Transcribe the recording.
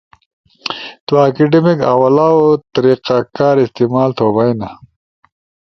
تو اکیڈیمک حوالو طریقہ کار استعمال تھوبئینا ل